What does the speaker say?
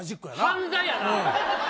犯罪やな。